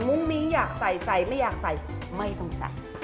มิ้งอยากใส่ใส่ไม่อยากใส่ไม่ต้องใส่